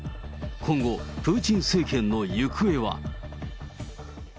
今後、プーチン政権の行方は。